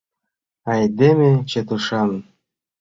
Айдеме чытышан.